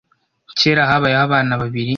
kera habayeho abana babiri